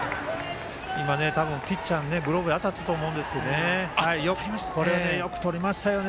ピッチャーのグローブに当たったと思うんですがこれをよくとりましたよね